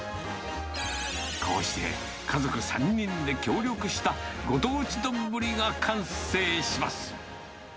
こうして、家族３人で協力した、ご当地丼が完成します。